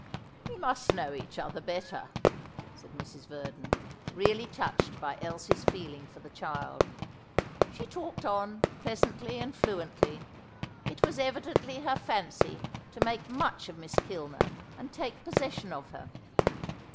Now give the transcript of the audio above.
"We must know each other better," said Mrs. Verdon, really touched by Elsie's feeling for the child. She talked on, pleasantly and fluently. It was evidently her fancy to make much of Miss Kilner and take possession of her.